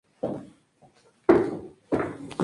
Michele en cambio, solo hablaba de su pelea con Romy.